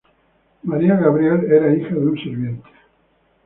Marie Gabrielle era hija de un sirviente.